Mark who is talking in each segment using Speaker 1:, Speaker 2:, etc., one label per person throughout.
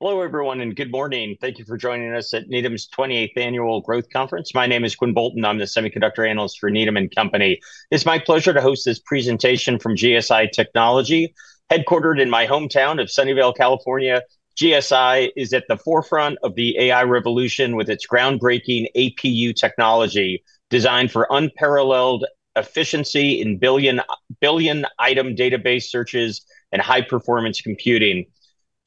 Speaker 1: Hello, everyone, and good morning. Thank you for joining us at Needham's 28th Annual Growth Conference. My name is Quinn Bolton. I'm the Semiconductor Analyst for Needham & Company. It's my pleasure to host this presentation from GSI Technology, headquartered in my hometown of Sunnyvale, California. GSI is at the forefront of the AI revolution with its groundbreaking APU technology, designed for unparalleled efficiency in billion-item database searches and high-performance computing.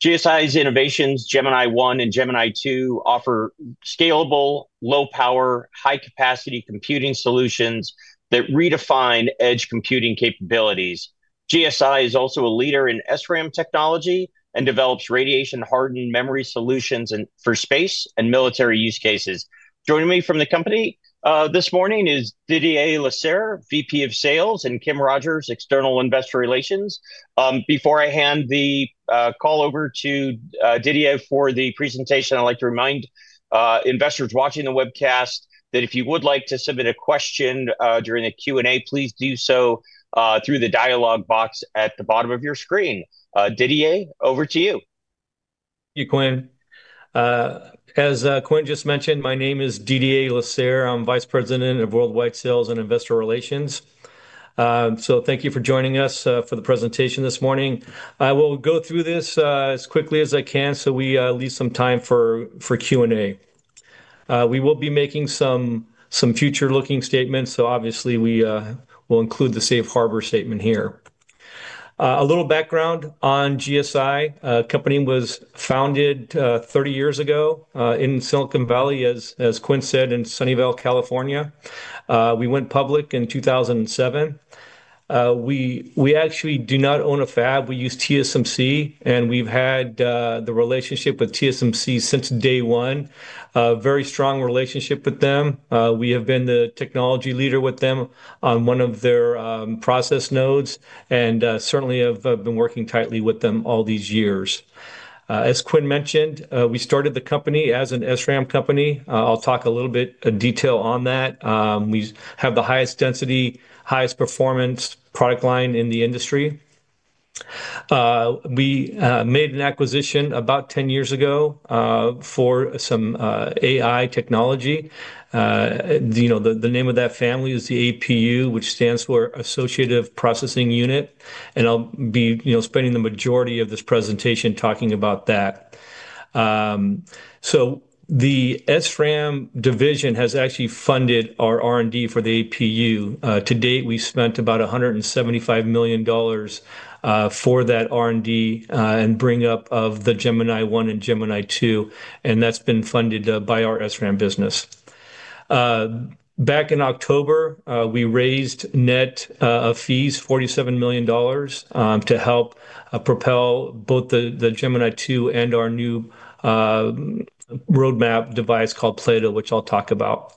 Speaker 1: GSI's innovations, Gemini-I and Gemini-II, offer scalable, low-power, high-capacity computing solutions that redefine edge computing capabilities. GSI is also a leader in SRAM technology and develops radiation-hardened memory solutions for space and military use cases. Joining me from the company this morning is Didier Lasserre, VP of Sales, and Kim Rogers, External Investor Relations. Before I hand the call over to Didier for the presentation, I'd like to remind investors watching the webcast that if you would like to submit a question during the Q&A, please do so through the dialog box at the bottom of your screen. Didier, over to you.
Speaker 2: Thank you, Quinn. As Quinn just mentioned, my name is Didier Lasserre. I'm Vice President of Worldwide Sales and Investor Relations. So thank you for joining us for the presentation this morning. I will go through this as quickly as I can so we leave some time for Q&A. We will be making some future-looking statements, so obviously, we will include the safe harbor statement here. A little background on GSI: the company was founded 30 years ago in Silicon Valley, as Quinn said, in Sunnyvale, California. We went public in 2007. We actually do not own a fab. We use TSMC, and we've had the relationship with TSMC since day one, a very strong relationship with them. We have been the technology leader with them on one of their process nodes and certainly have been working tightly with them all these years. As Quinn mentioned, we started the company as an SRAM company. I'll talk a little bit in detail on that. We have the highest density, highest performance product line in the industry. We made an acquisition about 10 years ago for some AI technology. The name of that family is the APU, which stands for Associative Processing Unit, and I'll be spending the majority of this presentation talking about that, so the SRAM division has actually funded our R&D for the APU. To date, we've spent about $175 million for that R&D and bring-up of the Gemini-I and Gemini-II, and that's been funded by our SRAM business. Back in October, we raised net fees, $47 million, to help propel both the Gemini-II and our new roadmap device called Plato, which I'll talk about.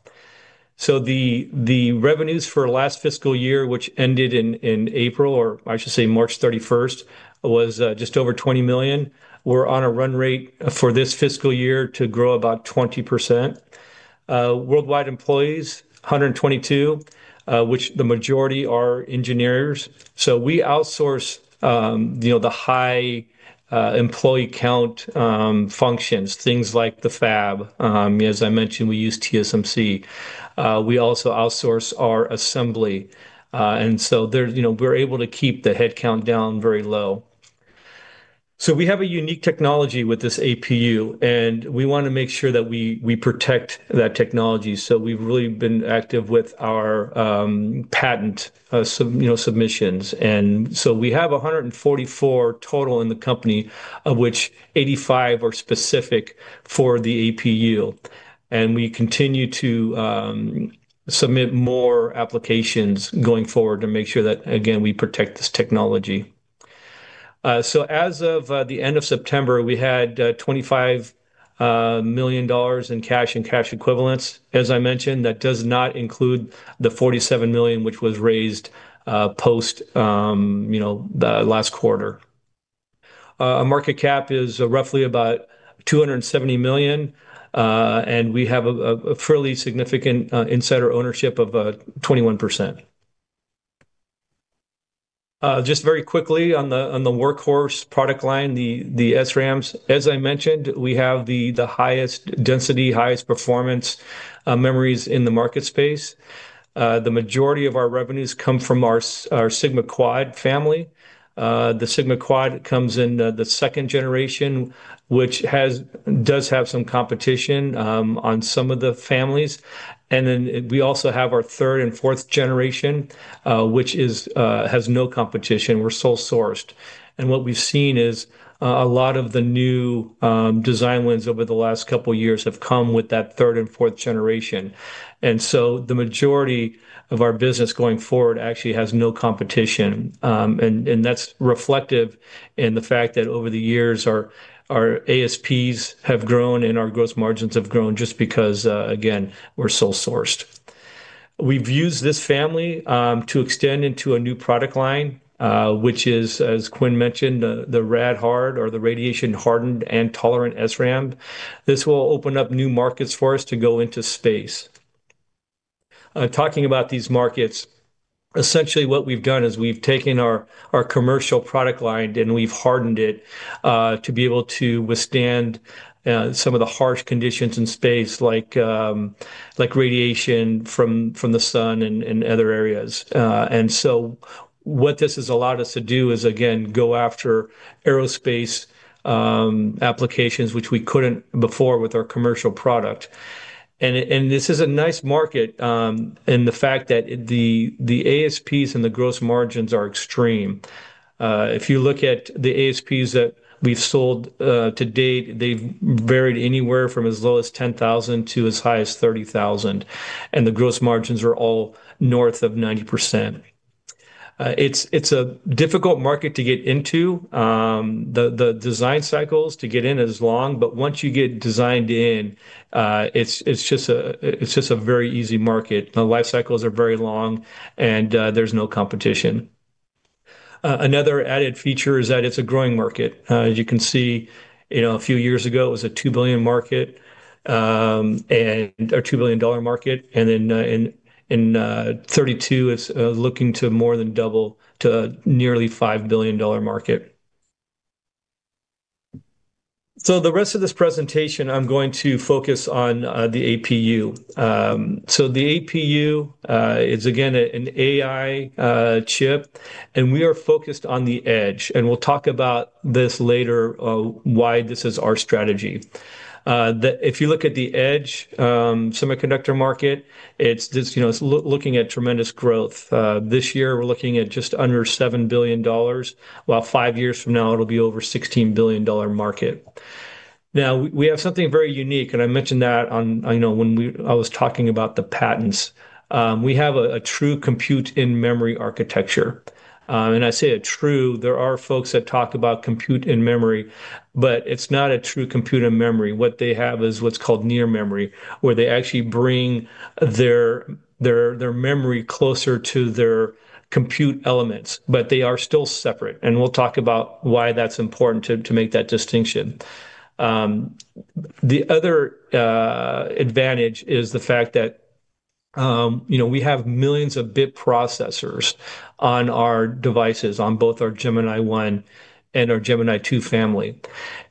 Speaker 2: The revenues for last fiscal year, which ended in April, or I should say March 31st, was just over $20 million. We're on a run rate for this fiscal year to grow about 20%. Worldwide employees, 122, which the majority are engineers. We outsource the high-employee count functions, things like the fab. As I mentioned, we use TSMC. We also outsource our assembly. And so we're able to keep the headcount down very low. We have a unique technology with this APU, and we want to make sure that we protect that technology. We've really been active with our patent submissions. And so we have 144 total in the company, of which 85 are specific for the APU. And we continue to submit more applications going forward to make sure that, again, we protect this technology. As of the end of September, we had $25 million in cash and cash equivalents. As I mentioned, that does not include the $47 million, which was raised post last quarter. Our market cap is roughly about $270 million, and we have a fairly significant insider ownership of 21%. Just very quickly on the workhorse product line, the SRAMs, as I mentioned, we have the highest density, highest performance memories in the market space. The majority of our revenues come from our SigmaQuad family. The SigmaQuad comes in the second generation, which does have some competition on some of the families. And then we also have our third and fourth generation, which has no competition. We're sole-sourced. And what we've seen is a lot of the new design wins over the last couple of years have come with that third and fourth generation. And so the majority of our business going forward actually has no competition. And that's reflective in the fact that over the years, our ASPs have grown and our gross margins have grown just because, again, we're sole-sourced. We've used this family to extend into a new product line, which is, as Quinn mentioned, the rad-hard or the radiation-hardened and tolerant SRAM. This will open up new markets for us to go into space. Talking about these markets, essentially, what we've done is we've taken our commercial product line and we've hardened it to be able to withstand some of the harsh conditions in space, like radiation from the sun and other areas. And so what this has allowed us to do is, again, go after aerospace applications, which we couldn't before with our commercial product. This is a nice market in the fact that the ASPs and the gross margins are extreme. If you look at the ASPs that we've sold to date, they've varied anywhere from as low as $10,000 to as high as $30,000. The gross margins are all north of 90%. It's a difficult market to get into. The design cycles to get in are as long, but once you get designed in, it's just a very easy market. The life cycles are very long, and there's no competition. Another added feature is that it's a growing market. As you can see, a few years ago, it was a $2 billion market. Then in 2032, it's looking to more than double to a nearly $5 billion market. The rest of this presentation, I'm going to focus on the APU. The APU is, again, an AI chip, and we are focused on the edge. We'll talk about this later, why this is our strategy. If you look at the edge semiconductor market, it's looking at tremendous growth. This year, we're looking at just under $7 billion, while five years from now, it'll be over $16 billion market. Now, we have something very unique, and I mentioned that when I was talking about the patents. We have a true compute-in-memory architecture. I say a true, there are folks that talk about compute-in-memory, but it's not a true compute-in-memory. What they have is what's called near-memory, where they actually bring their memory closer to their compute elements, but they are still separate. We'll talk about why that's important to make that distinction. The other advantage is the fact that we have millions of bit processors on our devices, on both our Gemini-I and our Gemini-II family.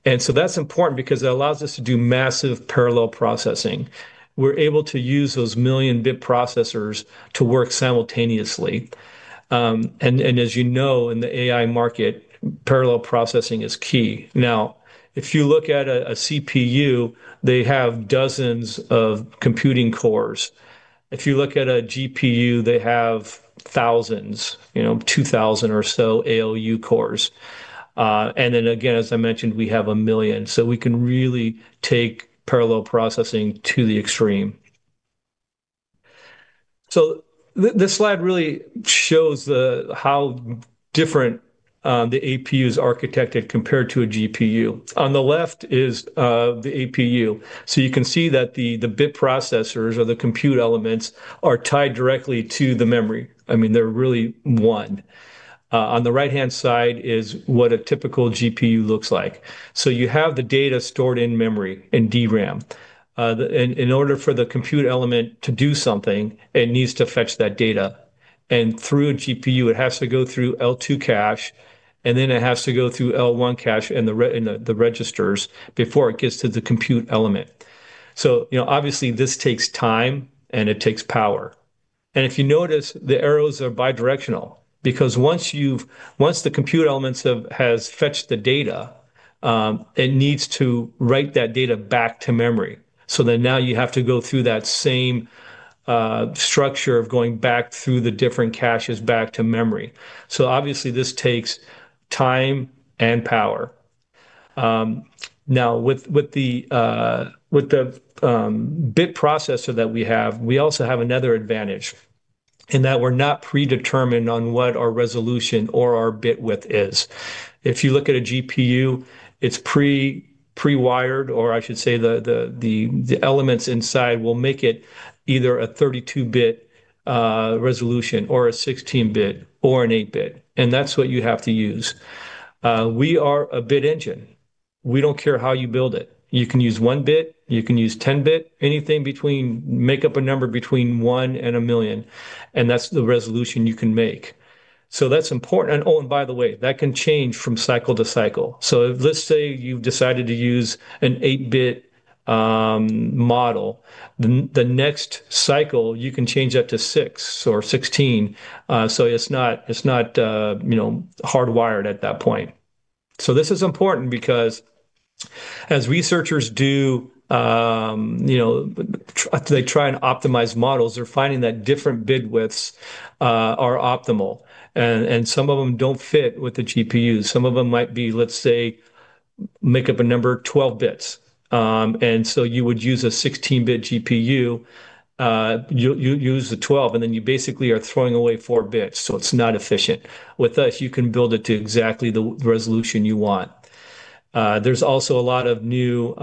Speaker 2: And so that's important because it allows us to do massive parallel processing. We're able to use those million-bit processors to work simultaneously. And as you know, in the AI market, parallel processing is key. Now, if you look at a CPU, they have dozens of computing cores. If you look at a GPU, they have thousands, 2,000 or so ALU cores. And then, again, as I mentioned, we have a million. So we can really take parallel processing to the extreme. So this slide really shows how different the APU is architected compared to a GPU. On the left is the APU. So you can see that the bit processors or the compute elements are tied directly to the memory. I mean, they're really one. On the right-hand side is what a typical GPU looks like. So you have the data stored in memory in DRAM. In order for the compute element to do something, it needs to fetch that data. And through a GPU, it has to go through L2 cache, and then it has to go through L1 cache and the registers before it gets to the compute element. So obviously, this takes time, and it takes power. And if you notice, the arrows are bidirectional because once the compute element has fetched the data, it needs to write that data back to memory. So then now you have to go through that same structure of going back through the different caches back to memory. So obviously, this takes time and power. Now, with the bit processor that we have, we also have another advantage in that we're not predetermined on what our resolution or our bit width is. If you look at a GPU, it's pre-wired, or I should say the elements inside will make it either a 32-bit resolution or a 16-bit or an 8-bit, and that's what you have to use. We are a bit engine. We don't care how you build it. You can use 1-bit, you can use 10-bit, anything between make up a number between one and a million, and that's the resolution you can make, so that's important. Oh, and by the way, that can change from cycle to cycle, so let's say you've decided to use an 8-bit model. The next cycle, you can change up to six or 16, so it's not hardwired at that point. So this is important because, as researchers do, they try and optimize models. They're finding that different bit widths are optimal. And some of them don't fit with the GPUs. Some of them might be, let's say, make up a number, 12 bits. And so you would use a 16-bit GPU, use the 12, and then you basically are throwing away four bits. So it's not efficient. With us, you can build it to exactly the resolution you want. There's also a lot of new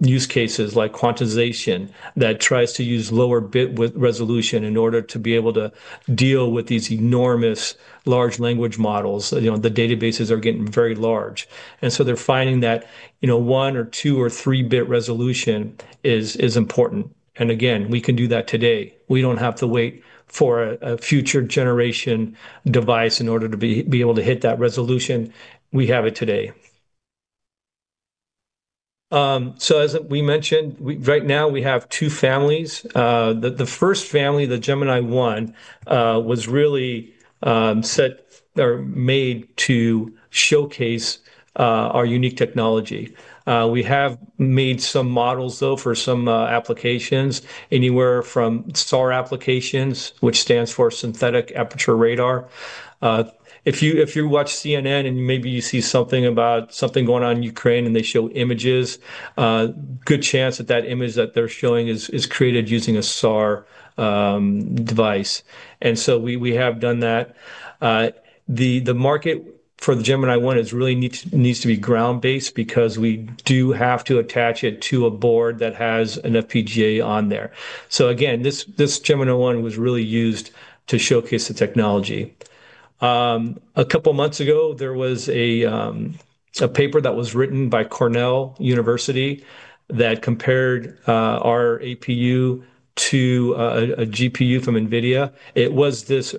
Speaker 2: use cases like quantization that tries to use lower bit resolution in order to be able to deal with these enormous large language models. The databases are getting very large. And so they're finding that one or two or three-bit resolution is important. And again, we can do that today. We don't have to wait for a future generation device in order to be able to hit that resolution. We have it today. So as we mentioned, right now, we have two families. The first family, the Gemini-I, was really set or made to showcase our unique technology. We have made some models, though, for some applications, anywhere from SAR applications, which stands for Synthetic Aperture Radar. If you watch CNN and maybe you see something about something going on in Ukraine and they show images, good chance that that image that they're showing is created using a SAR device. And so we have done that. The market for the Gemini-I really needs to be ground-based because we do have to attach it to a board that has an FPGA on there. So again, this Gemini-I was really used to showcase the technology. A couple of months ago, there was a paper that was written by Cornell University that compared our APU to a GPU from NVIDIA. It was this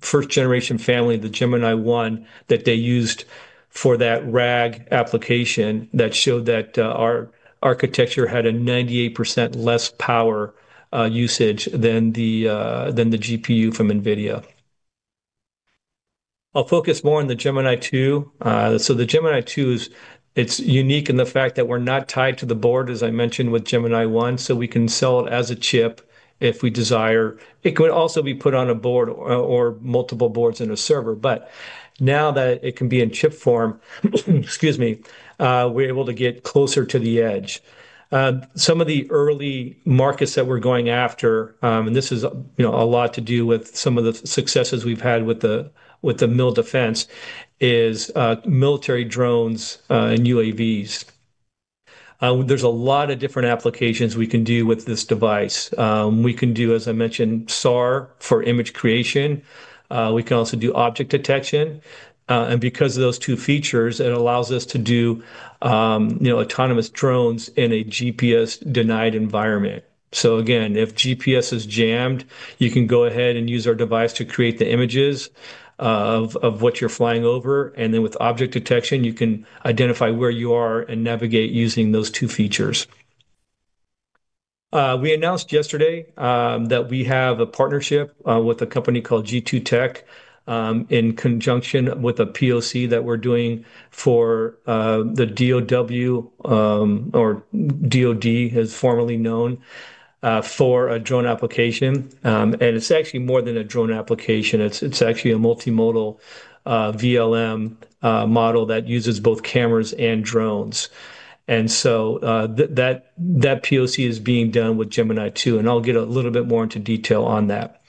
Speaker 2: first-generation family, the Gemini-I, that they used for that RAG application that showed that our architecture had a 98% less power usage than the GPU from NVIDIA. I'll focus more on the Gemini-II. So the Gemini-II, it's unique in the fact that we're not tied to the board, as I mentioned, with Gemini-I. So we can sell it as a chip if we desire. It could also be put on a board or multiple boards in a server. But now that it can be in chip form, excuse me, we're able to get closer to the edge. Some of the early markets that we're going after, and this has a lot to do with some of the successes we've had with the military defense, is military drones and UAVs. There's a lot of different applications we can do with this device. We can do, as I mentioned, SAR for image creation. We can also do object detection. And because of those two features, it allows us to do autonomous drones in a GPS-denied environment. Again, if GPS is jammed, you can go ahead and use our device to create the images of what you're flying over. And then with object detection, you can identify where you are and navigate using those two features. We announced yesterday that we have a partnership with a company called G2 Tech in conjunction with a POC that we're doing for the DoD, as formerly known, for a drone application. And it's actually more than a drone application. It's actually a multimodal VLM model that uses both cameras and drones. And so that POC is being done with Gemini-II. And I'll get a little bit more into detail on that.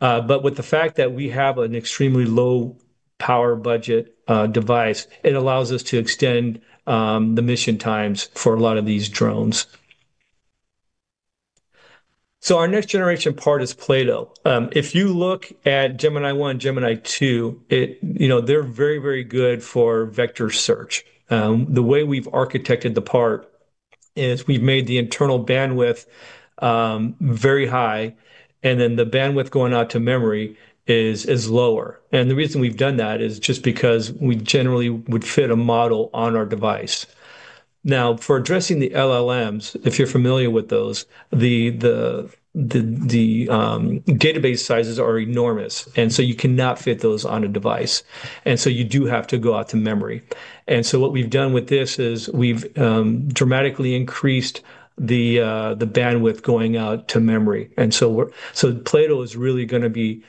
Speaker 2: But with the fact that we have an extremely low-power budget device, it allows us to extend the mission times for a lot of these drones. So our next-generation part is Plato. If you look at Gemini-I and Gemini-II, they're very, very good for vector search. The way we've architected the part is we've made the internal bandwidth very high, and then the bandwidth going out to memory is lower. And the reason we've done that is just because we generally would fit a model on our device. Now, for addressing the LLMs, if you're familiar with those, the database sizes are enormous. And so you cannot fit those on a device. And so what we've done with this is we've dramatically increased the bandwidth going out to memory. And so Plato is really going to be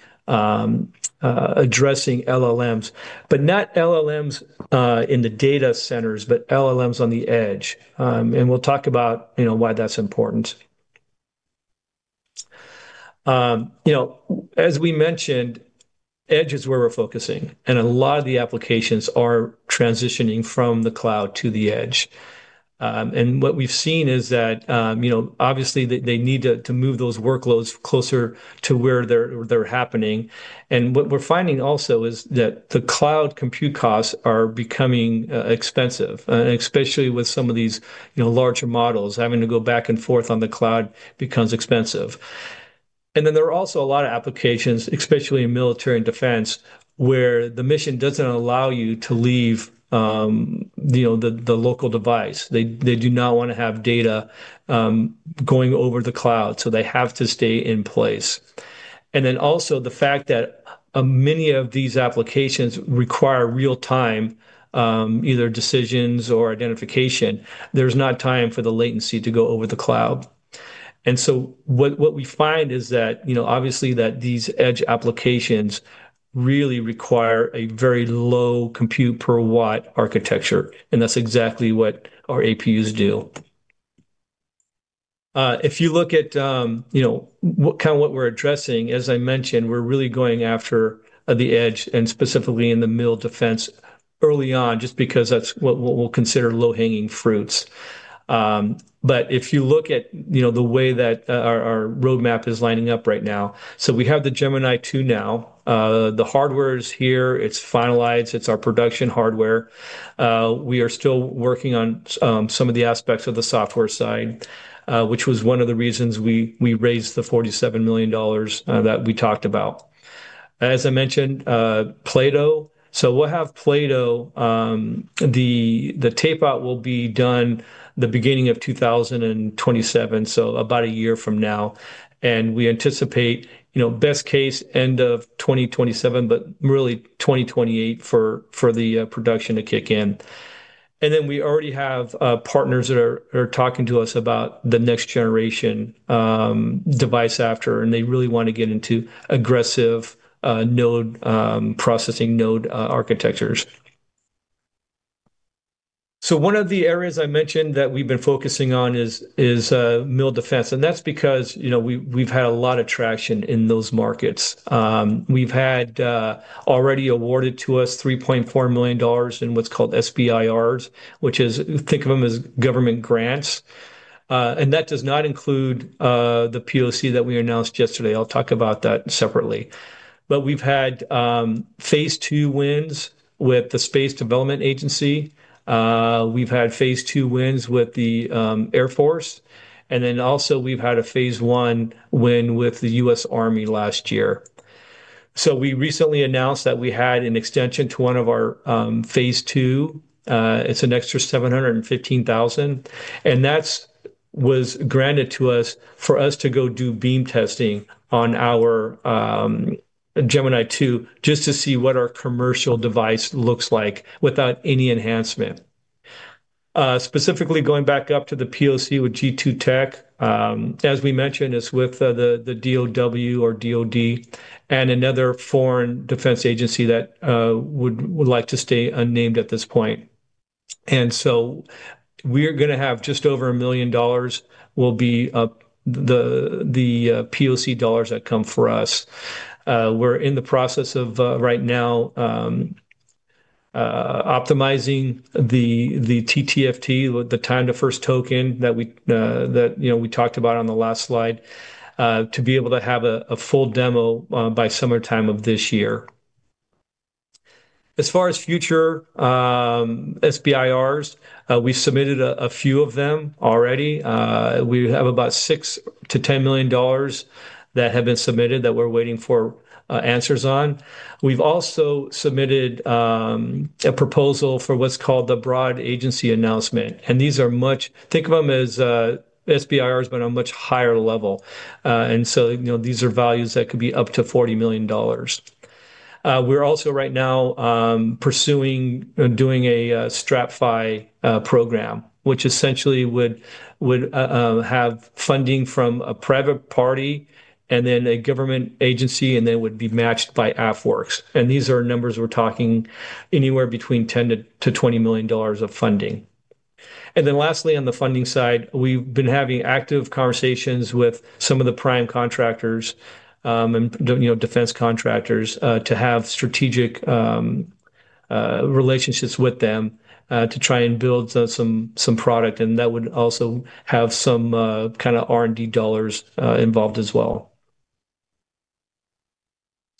Speaker 2: addressing LLMs, but not LLMs in the data centers, but LLMs on the edge. And we'll talk about why that's important. As we mentioned, edge is where we're focusing. And a lot of the applications are transitioning from the cloud to the edge. And what we've seen is that, obviously, they need to move those workloads closer to where they're happening. And what we're finding also is that the cloud compute costs are becoming expensive, especially with some of these larger models. Having to go back and forth on the cloud becomes expensive. And then there are also a lot of applications, especially in military and defense, where the mission doesn't allow you to leave the local device. They do not want to have data going over the cloud. So they have to stay in place. And then also the fact that many of these applications require real-time either decisions or identification, there's not time for the latency to go over the cloud. And so what we find is that, obviously, these edge applications really require a very low compute per watt architecture. And that's exactly what our APUs do. If you look at kind of what we're addressing, as I mentioned, we're really going after the edge and specifically in the military defense early on just because that's what we'll consider low-hanging fruits. But if you look at the way that our roadmap is lining up right now, so we have the Gemini-II now. The hardware is here. It's finalized. It's our production hardware. We are still working on some of the aspects of the software side, which was one of the reasons we raised the $47 million that we talked about. As I mentioned, Plato. So we'll have Plato. The tape-out will be done the beginning of 2027, so about a year from now, and we anticipate best case end of 2027, but really 2028 for the production to kick in. And then we already have partners that are talking to us about the next-generation device after, and they really want to get into aggressive processing node architectures. So one of the areas I mentioned that we've been focusing on is mil defense. And that's because we've had a lot of traction in those markets. We've had already awarded to us $3.4 million in what's called SBIRs, which is, think of them as government grants. And that does not include the POC that we announced yesterday. I'll talk about that separately. But we've had phase two wins with the Space Development Agency. We've had phase two wins with the Air Force. And then also we've had a phase one win with the US Army last year. So we recently announced that we had an extension to one of our phase two. It's an extra $715,000. That was granted to us for us to go do beam testing on our Gemini-II just to see what our commercial device looks like without any enhancement. Specifically, going back up to the POC with G2 Tech, as we mentioned, it's with the DoD and another foreign defense agency that would like to stay unnamed at this point. So we're going to have just over $1 million; that will be the POC dollars that come for us. We're in the process of right now optimizing the TTFT, the time-to-first token that we talked about on the last slide, to be able to have a full demo by summertime of this year. As far as future SBIRs, we submitted a few of them already. We have about $6-$10 million that have been submitted that we're waiting for answers on. We've also submitted a proposal for what's called the Broad Agency Announcement. And these are much, think of them as SBIRs, but on a much higher level. And so these are values that could be up to $40 million. We're also right now pursuing doing a StratFi program, which essentially would have funding from a private party and then a government agency, and then would be matched by AFWERX. And these are numbers we're talking anywhere between $10-$20 million of funding. And then lastly, on the funding side, we've been having active conversations with some of the prime contractors and defense contractors to have strategic relationships with them to try and build some product. And that would also have some kind of R&D dollars involved as well.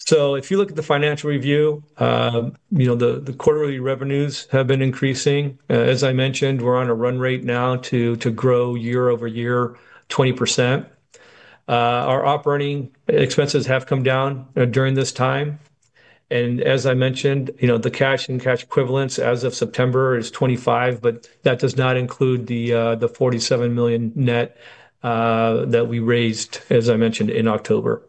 Speaker 2: So if you look at the financial review, the quarterly revenues have been increasing. As I mentioned, we're on a run rate now to grow year over year 20%. Our operating expenses have come down during this time, and as I mentioned, the cash and cash equivalents as of September is $25, but that does not include the $47 million net that we raised, as I mentioned, in October,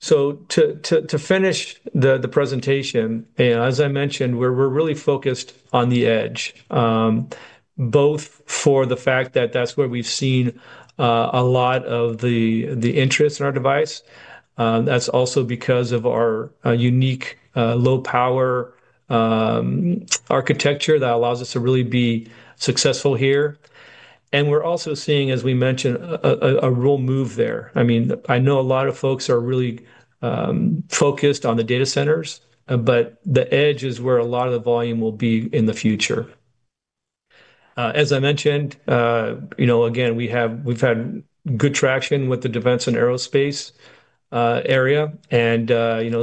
Speaker 2: so to finish the presentation, as I mentioned, we're really focused on the edge, both for the fact that that's where we've seen a lot of the interest in our device. That's also because of our unique low-power architecture that allows us to really be successful here, and we're also seeing, as we mentioned, a real move there. I mean, I know a lot of folks are really focused on the data centers, but the edge is where a lot of the volume will be in the future. As I mentioned, again, we've had good traction with the defense and aerospace area and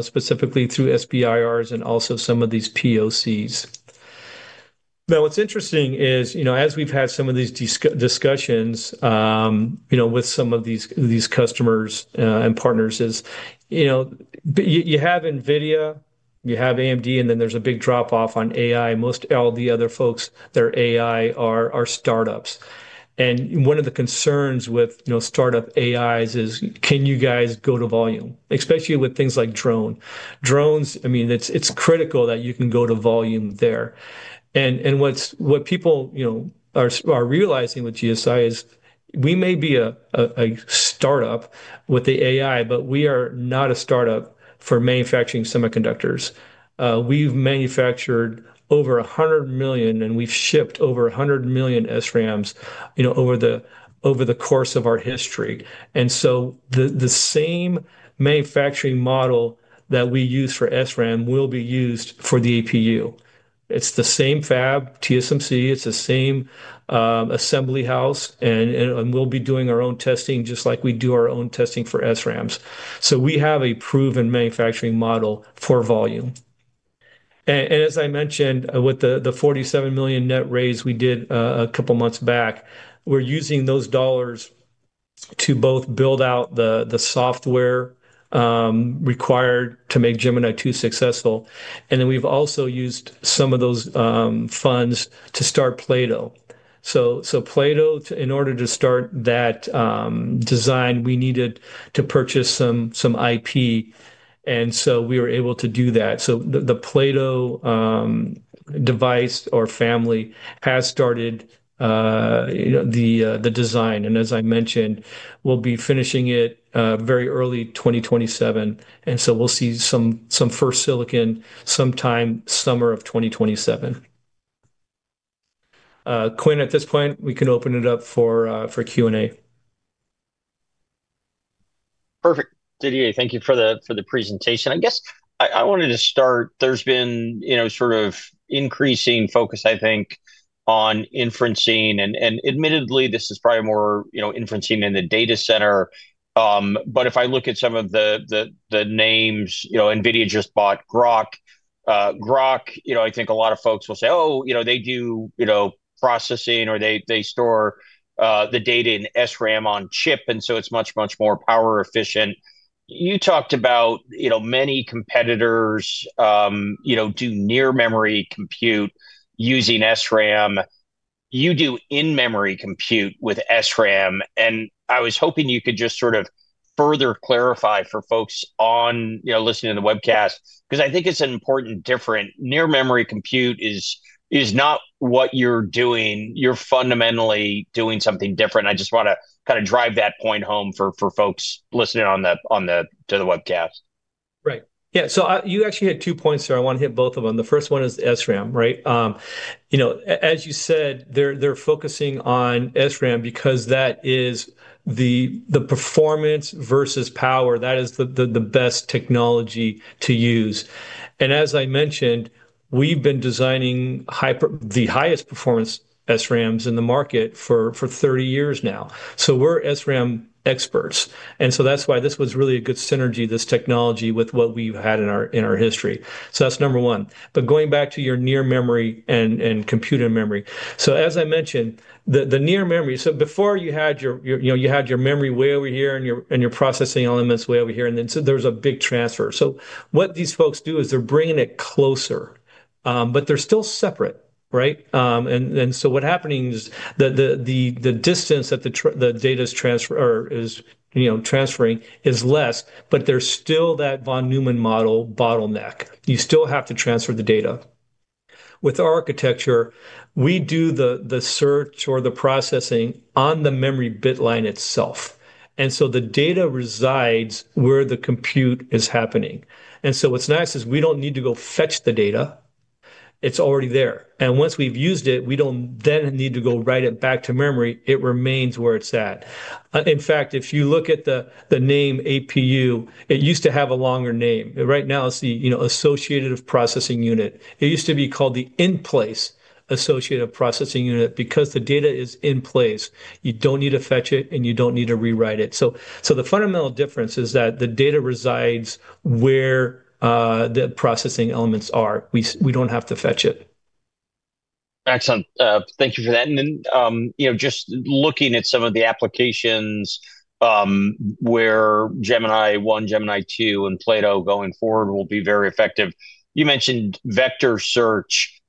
Speaker 2: specifically through SBIRs and also some of these POCs. Now, what's interesting is, as we've had some of these discussions with some of these customers and partners, is you have NVIDIA, you have AMD, and then there's a big drop-off on AI. Most of the other folks, their AI are startups. And one of the concerns with startup AIs is, can you guys go to volume, especially with things like drones? I mean, it's critical that you can go to volume there. And what people are realizing with GSI is we may be a startup with the AI, but we are not a startup for manufacturing semiconductors. We've manufactured over 100 million, and we've shipped over 100 million SRAMs over the course of our history. And so the same manufacturing model that we use for SRAM will be used for the APU. It's the same fab, TSMC. It's the same assembly house. And we'll be doing our own testing just like we do our own testing for SRAMs. So we have a proven manufacturing model for volume. And as I mentioned, with the $47 million net raise we did a couple of months back, we're using those dollars to both build out the software required to make Gemini-II successful. And then we've also used some of those funds to start Plato. So Plato, in order to start that design, we needed to purchase some IP. And so we were able to do that. So the Plato device or family has started the design. And as I mentioned, we'll be finishing it very early 2027. And so we'll see some first silicon sometime summer of 2027. Quinn, at this point, we can open it up for Q&A.
Speaker 1: Perfect. Didier, thank you for the presentation. I guess I wanted to start. There's been sort of increasing focus, I think, on inferencing. And admittedly, this is probably more inferencing in the data center. But if I look at some of the names, NVIDIA just bought Groq. Groq, I think a lot of folks will say, "Oh, they do processing or they store the data in SRAM on chip. And so it's much, much more power efficient." You talked about many competitors do near-memory compute using SRAM. You do in-memory compute with SRAM. And I was hoping you could just sort of further clarify for folks listening to the webcast because I think it's an important difference. Near-memory compute is not what you're doing. You're fundamentally doing something different. I just want to kind of drive that point home for folks listening to the webcast.
Speaker 2: Right. Yeah. So you actually had two points there. I want to hit both of them. The first one is SRAM, right? As you said, they're focusing on SRAM because that is the performance versus power. That is the best technology to use. And as I mentioned, we've been designing the highest performance SRAMs in the market for 30 years now. So we're SRAM experts. And so that's why this was really a good synergy, this technology, with what we've had in our history. So that's number one. But going back to your near-memory and compute in memory. So as I mentioned, the near-memory, so before you had your memory way over here and your processing elements way over here, and then there's a big transfer. So what these folks do is they're bringing it closer, but they're still separate, right? And so what's happening is the distance that the data is transferring is less, but there's still that Von Neumann Bottleneck. You still have to transfer the data. With our architecture, we do the search or the processing on the memory bit line itself. And so the data resides where the compute is happening. And so what's nice is we don't need to go fetch the data. It's already there. And once we've used it, we don't then need to go write it back to memory. It remains where it's at. In fact, if you look at the name APU, it used to have a longer name. Right now, it's the Associative Processing Unit. It used to be called the In-Place Associative Processing Unit because the data is in place. You don't need to fetch it, and you don't need to rewrite it. So the fundamental difference is that the data resides where the processing elements are. We don't have to fetch it.
Speaker 1: Excellent. Thank you for that. And then just looking at some of the applications where Gemini-I, Gemini-II, and Plato going forward will be very effective. You mentioned vector search.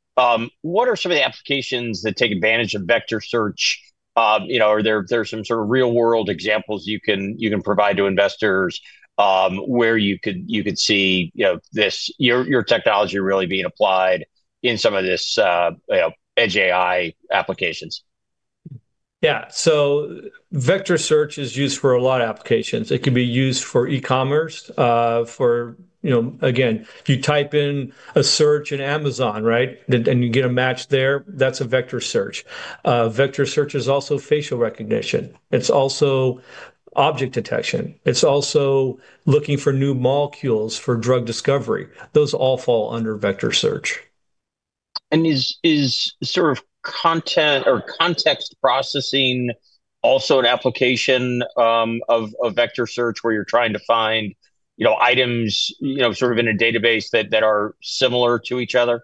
Speaker 1: What are some of the applications that take advantage of vector search? Are there some sort of real-world examples you can provide to investors where you could see your technology really being applied in some of these edge AI applications?
Speaker 2: Yeah. So vector search is used for a lot of applications. It can be used for e-commerce. Again, if you type in a search in Amazon, right, and you get a match there, that's a vector search. Vector search is also facial recognition. It's also object detection. It's also looking for new molecules for drug discovery. Those all fall under vector search.
Speaker 1: Is sort of content or context processing also an application of vector search where you're trying to find items sort of in a database that are similar to each other?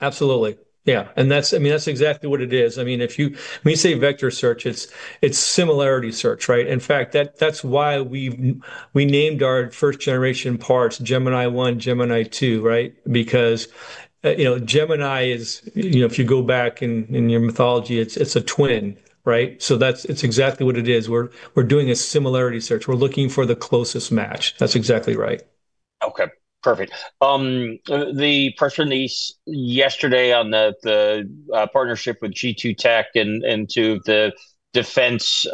Speaker 2: Absolutely. Yeah, and I mean, that's exactly what it is. I mean, when you say vector search, it's similarity search, right? In fact, that's why we named our first-generation parts Gemini-I, Gemini-II, right? Because Gemini is, if you go back in your mythology, it's a twin, right? So it's exactly what it is. We're doing a similarity search. We're looking for the closest match. That's exactly right.
Speaker 1: Okay. Perfect. The person yesterday on the partnership with G2 Tech and to the defense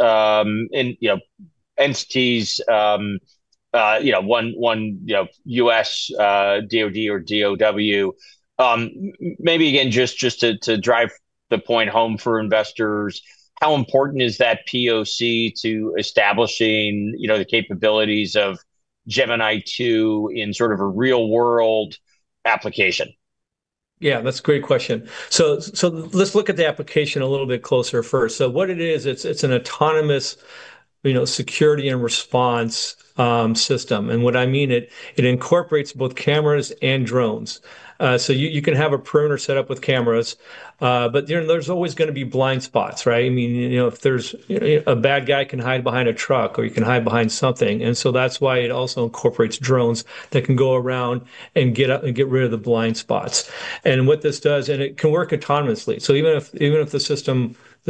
Speaker 1: entities, one U.S. DoD, maybe again, just to drive the point home for investors, how important is that POC to establishing the capabilities of Gemini-II in sort of a real-world application?
Speaker 2: Yeah, that's a great question. So let's look at the application a little bit closer first. So what it is, it's an autonomous security and response system. And what I mean, it incorporates both cameras and drones. So you can have a perimeter set up with cameras, but there's always going to be blind spots, right? I mean, if there's a bad guy can hide behind a truck or you can hide behind something. And so that's why it also incorporates drones that can go around and get rid of the blind spots. And what this does, and it can work autonomously. So even if the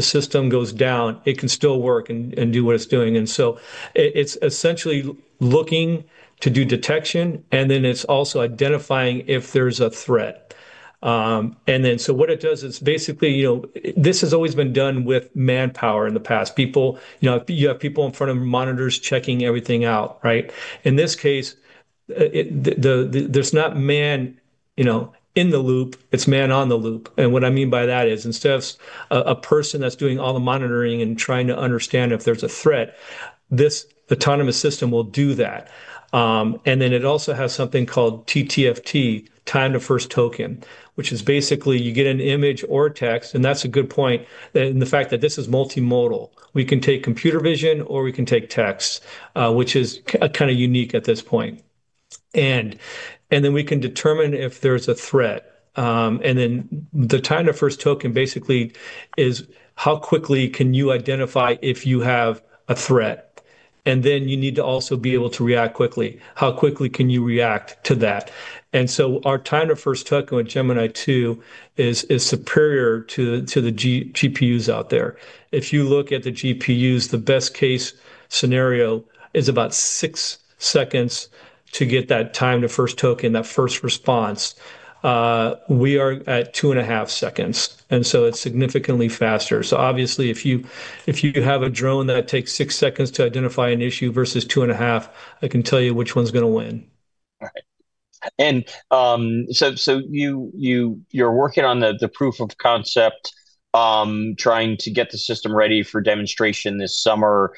Speaker 2: system goes down, it can still work and do what it's doing. And so it's essentially looking to do detection, and then it's also identifying if there's a threat. And then so what it does, it's basically this has always been done with manpower in the past. You have people in front of monitors checking everything out, right? In this case, there's not man in the loop. It's man on the loop. And what I mean by that is instead of a person that's doing all the monitoring and trying to understand if there's a threat, this autonomous system will do that. And then it also has something called TTFT, time-to-first token, which is basically you get an image or text. And that's a good point in the fact that this is multimodal. We can take computer vision or we can take text, which is kind of unique at this point. And then we can determine if there's a threat. And then the time-to-first token basically is how quickly can you identify if you have a threat? And then you need to also be able to react quickly. How quickly can you react to that? And so our time-to-first token with Gemini-II is superior to the GPUs out there. If you look at the GPUs, the best-case scenario is about six seconds to get that time-to-first token, that first response. We are at two and a half seconds. And so it's significantly faster. So obviously, if you have a drone that takes six seconds to identify an issue versus two and a half, I can tell you which one's going to win.
Speaker 1: All right. And so you're working on the proof of concept, trying to get the system ready for demonstration this summer.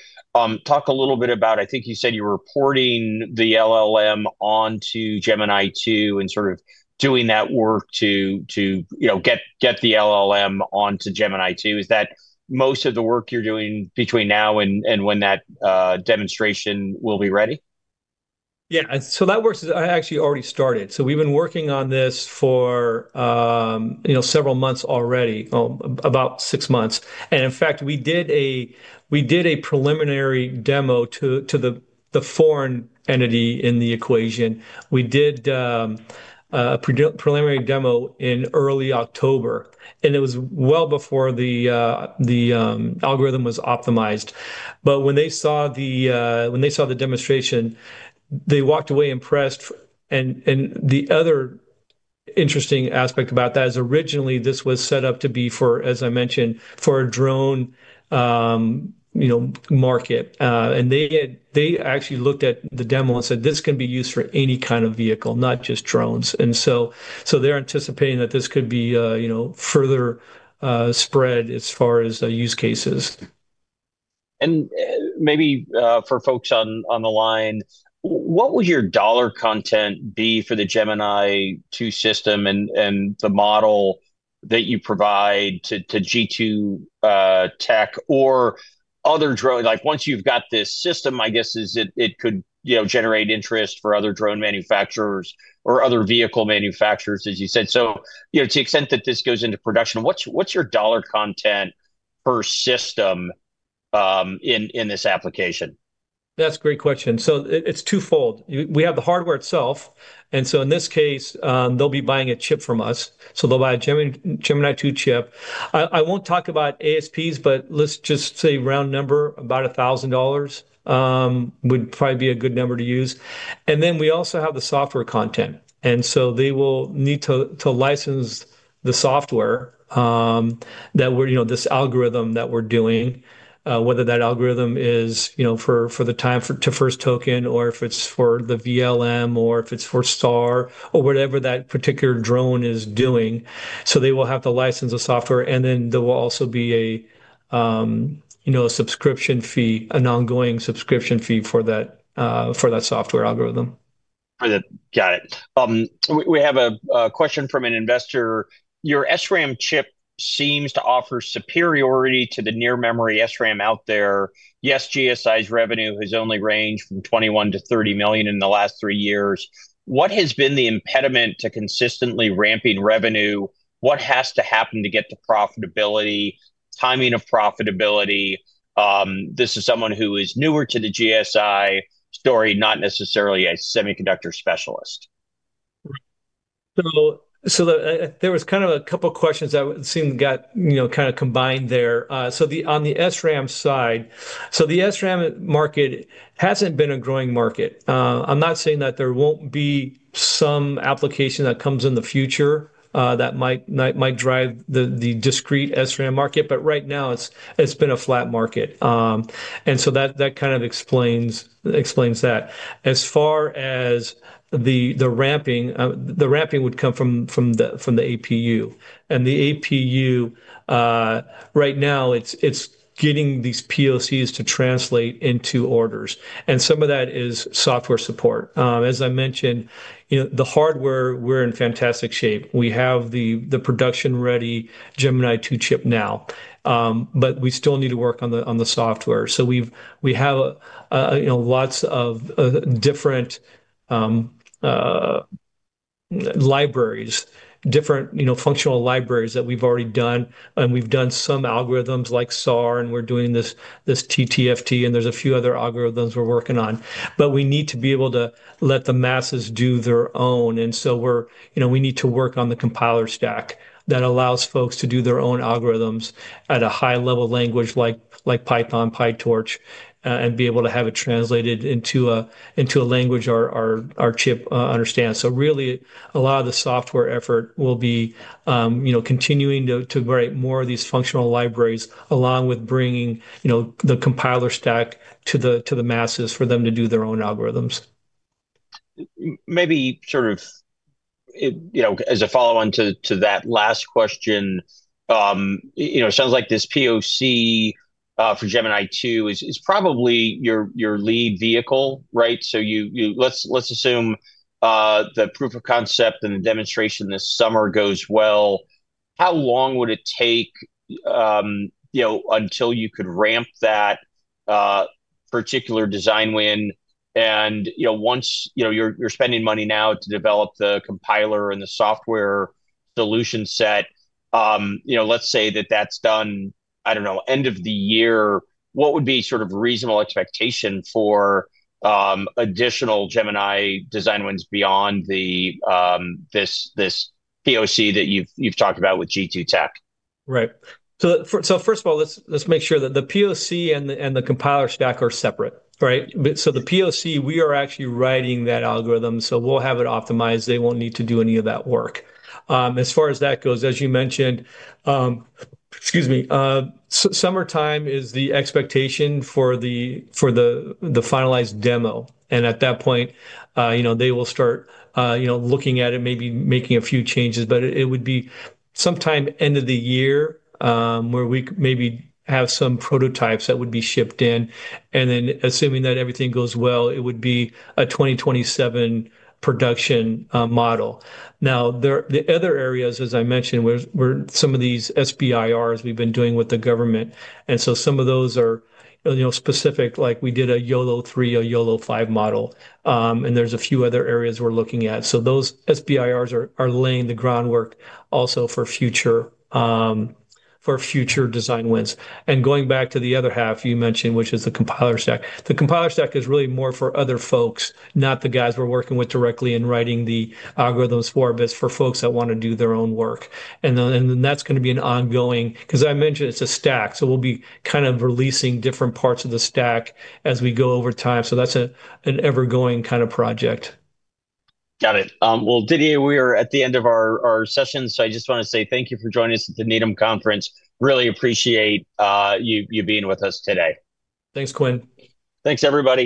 Speaker 1: Talk a little bit about, I think you said you were porting the LLM onto Gemini-II and sort of doing that work to get the LLM onto Gemini-II. Is that most of the work you're doing between now and when that demonstration will be ready?
Speaker 2: Yeah. So that work has actually already started. So we've been working on this for several months already, about six months. And in fact, we did a preliminary demo to the foreign entity in the equation. We did a preliminary demo in early October. And it was well before the algorithm was optimized. But when they saw the demonstration, they walked away impressed. And the other interesting aspect about that is originally this was set up to be, as I mentioned, for a drone market. And they actually looked at the demo and said, "This can be used for any kind of vehicle, not just drones." And so they're anticipating that this could be further spread as far as use cases.
Speaker 1: Maybe for folks on the line, what would your dollar content be for the Gemini-II system and the model that you provide to G2 Tech or other drones? Once you've got this system, I guess it could generate interest for other drone manufacturers or other vehicle manufacturers, as you said. To the extent that this goes into production, what's your dollar content per system in this application?
Speaker 2: That's a great question. So it's twofold. We have the hardware itself. And so in this case, they'll be buying a chip from us. So they'll buy a Gemini-II chip. I won't talk about ASPs, but let's just say round number, about $1,000 would probably be a good number to use. And then we also have the software content. And so they will need to license the software, this algorithm that we're doing, whether that algorithm is for the time-to-first token or if it's for the VLM or if it's for SAR or whatever that particular drone is doing. So they will have to license the software. And then there will also be a subscription fee, an ongoing subscription fee for that software algorithm.
Speaker 1: Got it. We have a question from an investor. Your SRAM chip seems to offer superiority to the near-memory SRAM out there. Yes, GSI's revenue has only ranged from $21 million-$30 million in the last three years. What has been the impediment to consistently ramping revenue? What has to happen to get to profitability, timing of profitability? This is someone who is newer to the GSI story, not necessarily a semiconductor specialist.
Speaker 2: So there was kind of a couple of questions that seemed kind of combined there. So on the SRAM side, so the SRAM market hasn't been a growing market. I'm not saying that there won't be some application that comes in the future that might drive the discrete SRAM market. But right now, it's been a flat market. And so that kind of explains that. As far as the ramping, the ramping would come from the APU. And the APU, right now, it's getting these POCs to translate into orders. And some of that is software support. As I mentioned, the hardware, we're in fantastic shape. We have the production-ready Gemini-II chip now, but we still need to work on the software. So we have lots of different libraries, different functional libraries that we've already done. We've done some algorithms like SAR, and we're doing this TTFT, and there's a few other algorithms we're working on. We need to be able to let the masses do their own. So we need to work on the compiler stack that allows folks to do their own algorithms at a high-level language like Python, PyTorch, and be able to have it translated into a language our chip understands. Really, a lot of the software effort will be continuing to write more of these functional libraries along with bringing the compiler stack to the masses for them to do their own algorithms.
Speaker 1: Maybe sort of as a follow-on to that last question, it sounds like this POC for Gemini-II is probably your lead vehicle, right? So let's assume the proof of concept and the demonstration this summer goes well. How long would it take until you could ramp that particular design win? And once you're spending money now to develop the compiler and the software solution set, let's say that that's done, I don't know, end of the year, what would be sort of reasonable expectation for additional Gemini design wins beyond this POC that you've talked about with G2 Tech?
Speaker 2: Right. So first of all, let's make sure that the POC and the compiler stack are separate, right? So the POC, we are actually writing that algorithm. So we'll have it optimized. They won't need to do any of that work. As far as that goes, as you mentioned, excuse me, summertime is the expectation for the finalized demo. And at that point, they will start looking at it, maybe making a few changes. But it would be sometime end of the year where we maybe have some prototypes that would be shipped in. And then assuming that everything goes well, it would be a 2027 production model. Now, the other areas, as I mentioned, where some of these SBIRs we've been doing with the government. And so some of those are specific, like we did a YOLOv3, a YOLOv5 model. And there's a few other areas we're looking at. So those SBIRs are laying the groundwork also for future design wins. And going back to the other half you mentioned, which is the compiler stack, the compiler stack is really more for other folks, not the guys we're working with directly in writing the algorithms for, but it's for folks that want to do their own work. And that's going to be an ongoing, because I mentioned it's a stack. So we'll be kind of releasing different parts of the stack as we go over time. So that's an ever-going kind of project.
Speaker 1: Got it. Well, Didier, we are at the end of our session. So I just want to say thank you for joining us at the Needham Conference. Really appreciate you being with us today.
Speaker 2: Thanks, Quinn.
Speaker 1: Thanks, everybody.